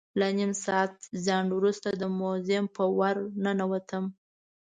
له نیم ساعت ځنډ وروسته د موزیم په ور ننوتم.